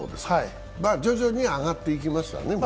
徐々に上がっていきますわね。